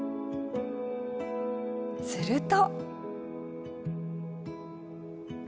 すると。